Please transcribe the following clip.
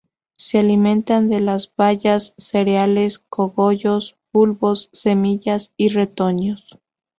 Se alimentan de las bayas, cereales, cogollos, bulbos, semillas y retoños.